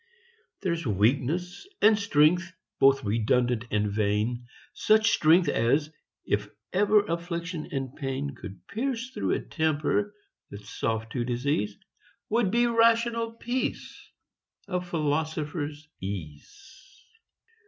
There's weakness, and strength both redundant and vain; Such strength as, if ever affliction and pain Could pierce through a temper that's soft to disease, Would be rational peace–a philosopher's ease.